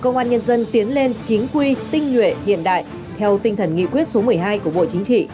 nhấn lên chính quy tinh nhuệ hiện đại theo tinh thần nghị quyết số một mươi hai của bộ chính trị